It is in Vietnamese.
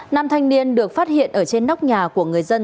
nam thanh niên được phát hiện ở trên nóc nhà của người dân